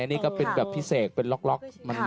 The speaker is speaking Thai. อันนี้ก็เป็นแบบพิเศษเป็นล็อกมัน